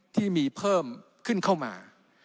ที่มีเพิ่มขึ้นเข้ามา